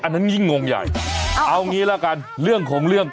อันนั้นยิ่งงงใหญ่เอาเอาเอางี้ล่ะกันเรื่องของเรื่อง